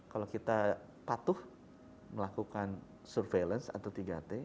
kalau kita patuh melakukan surveillance atau tiga t